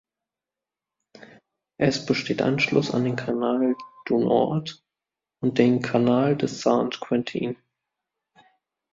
Es besteht Anschluss an den Canal du Nord und den Canal de Saint-Quentin.